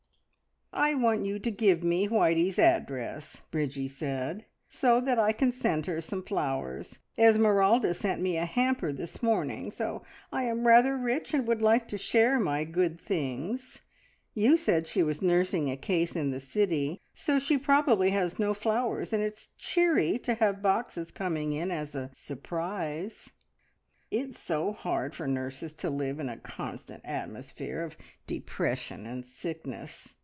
"I want you to give me Whitey's address," Bridgie said, "so that I can send her some flowers. Esmeralda sent me a hamper this morning, so I am rather rich and would like to share my goad things. You said she was nursing a case in the city, so she probably has no flowers, and it's cheery to have boxes coming in as a surprise. It's so hard for nurses to live in a constant atmosphere of depression and sickness.